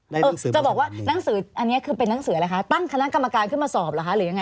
เออจะบอกว่าหนังสืออันนี้คือเป็นนังสืออะไรคะตั้งคณะกรรมการขึ้นมาสอบเหรอคะหรือยังไง